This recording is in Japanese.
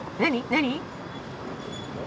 何？